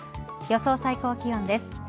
予想最高気温です。